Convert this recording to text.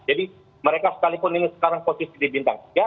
jadi mereka sekalipun ini sekarang posisi di bintang tiga